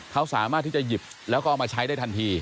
เขาสามารถที่จะหยิบแล้วก็เอามาใช้ได้ทันที